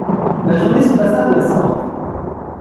La journée se passa de la sorte.